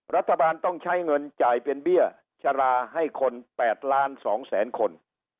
รัฐบาลต้องใช้เงินจ่ายเป็นเบี้ยชะลาให้คน๘ล้าน๒แสนคน